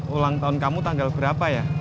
ulang tahun kamu tanggal berapa ya